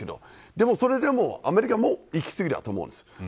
でも、それでも、アメリカもいき過ぎだと思うんです。